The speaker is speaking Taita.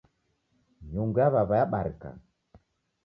Nyungu ya w'aw'a yabarika